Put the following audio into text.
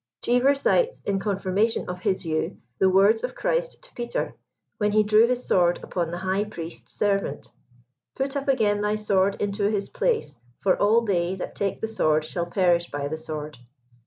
Cheever cites in confirmation of his view, the words of Christ to Peter, when he drew his sword upon the high priest's ser vant: "Put up again thy sword into his place ; for all they that take the sword shall perish by the sword."